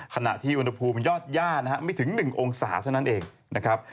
ขณะที่อุณหภูมิยอดย่านะฮะไม่ถึง๑องศาเท่านั้นเองนะครับ